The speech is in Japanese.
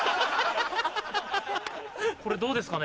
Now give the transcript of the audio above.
これどうですかね？